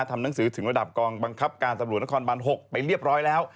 ทำหนังสือถึงระดับกองบังคับการตำรวจนครบัน๖ไปเรียบร้อยแล้ว